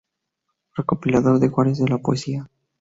Recopilador de Juárez en la poesía.